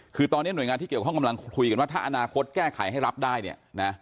คือตอนนี้หน่วยงานที่เกี่ยวข้องกำลังคุยกันว่าถ้าอนาคตแก้ไขให้รับได้เนี่ยนะ